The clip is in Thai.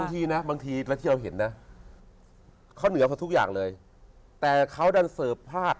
บางทีนะบางทีแล้วที่เราเห็นนะเขาเหนือกว่าทุกอย่างเลยแต่เขาดันเสิร์ฟพลาด